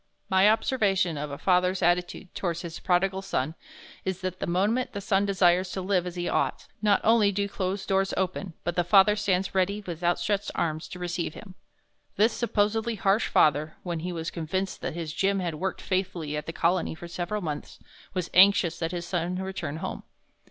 My observation of a father's attitude towards his prodigal son is that the moment the son desires to live as he ought, not only do closed doors open, but the father stands ready with outstretched arms to receive him. This supposedly harsh father, when he was convinced that his Jim had worked faithfully at the Colony for several months, was anxious that his son return home.